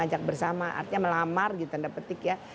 artinya melamar gitu tanda petik ya